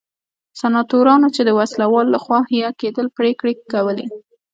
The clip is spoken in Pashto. سناتورانو چې د وسله والو لخوا حیه کېدل پرېکړې کولې.